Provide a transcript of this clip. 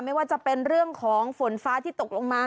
ไม่ว่าจะเป็นเรื่องของฝนฟ้าที่ตกลงมา